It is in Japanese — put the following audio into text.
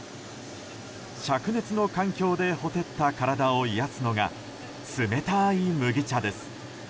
灼熱の環境で火照った体を冷やすのが冷たい麦茶です。